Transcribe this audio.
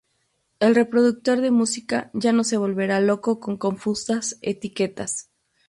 El reproductor de música ya no se volverá loco con confusas etiquetas.